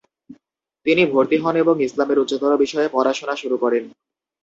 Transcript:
তিনি ভর্তি হন এবং ইসলামের উচ্চতর বিষয়ে পড়াশোনা শুরু করেন।